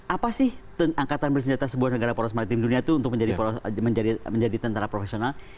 apa sih angkatan bersenjata sebuah negara poros maritim dunia itu untuk menjadi tentara profesional